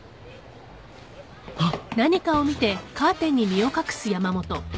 あっ。